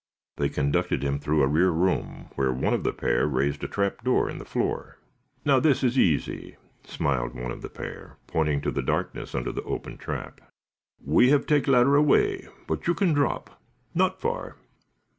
They conducted him through into a rear room, where one of the pair raised a trap door in the floor. "Now, this is easy," smiled one of the pair, pointing to the darkness under the open trap. "We have take ladder away, but you can drop. Not far."